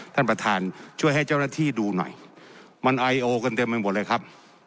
ท่านประธานช่วยให้เจ้าหน้าที่ดูหน่อยมันไอโอกันเต็มไปหมดเลยครับ